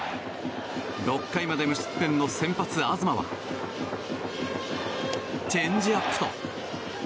６回まで無失点の先発、東はチェンジアップと。